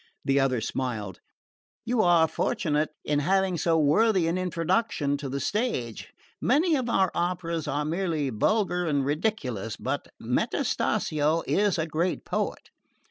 The other smiled. "You are fortunate in having so worthy an introduction to the stage. Many of our operas are merely vulgar and ridiculous; but Metastasio is a great poet."